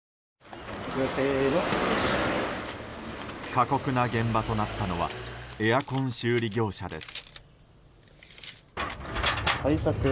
過酷な現場となったのはエアコン修理業者です。